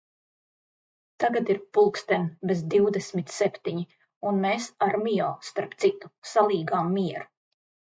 Tagad ir pulksten bez divdesmit septiņi, un mēs ar Mio, starp citu, salīgām mieru.